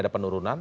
ini ada penurunan